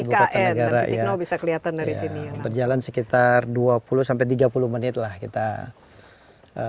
ke neighbour masalah bege joints